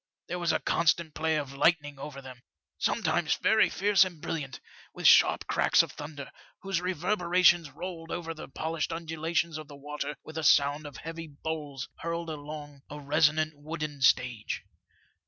There was a constant play of lightning over them, sometimes very fierce and brilliant, with sharp cracks of thunder, whose reverberations rolled over the polished undulations of the water with a sound of heavy bowls hurled along a resonant wooden stage.